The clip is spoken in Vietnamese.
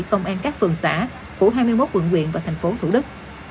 phòng an các phường xã của hai mươi một quận quyền và thành phố thủ đức